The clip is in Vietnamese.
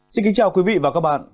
xin kính chào quý vị và các bạn